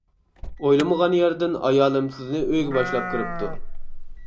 ئويلىمىغان يەردىن ئايالىم سىزنى ئۆيگە باشلاپ كىرىپتۇ.